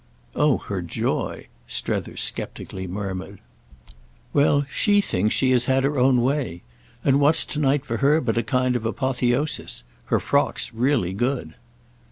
"Oh her joy!" Strether sceptically murmured. "Well, she thinks she has had her own way. And what's to night for her but a kind of apotheosis? Her frock's really good."